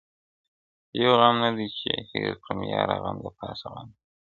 یو غم نه دی چي یې هېر کړم؛ یاره غم د پاسه غم دی،